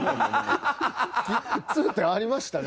痛点ありましたね。